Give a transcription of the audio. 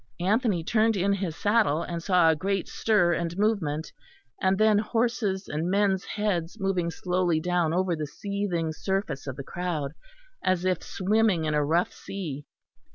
Anthony turned in his saddle, and saw a great stir and movement, and then horses' and men's heads moving slowly down over the seething surface of the crowd, as if swimming in a rough sea.